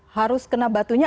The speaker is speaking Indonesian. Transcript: harus kena batunya